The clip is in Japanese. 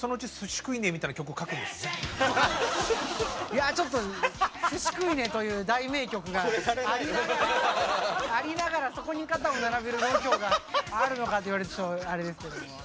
いやちょっと「スシ食いねェ」という大名曲がありながらそこに肩を並べる度胸があるのかと言われるとあれですけれども。